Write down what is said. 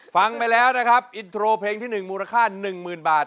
ฟังไปแล้วนะครับอินโทรเพลงที่๑มูลค่า๑๐๐๐บาท